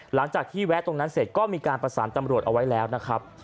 หลังจากที่แวะตรงนั้นเสร็จก็มีการประสานตำรวจเอาไว้แล้วนะครับ